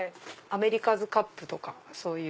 アメリカズカップ。